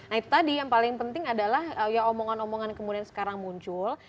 nah itu tadi yang paling penting adalah ya omongan omongan kemudian sekarang muncul